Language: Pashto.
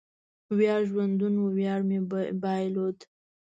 وړیا ژوندون و، وړیا مې بایلود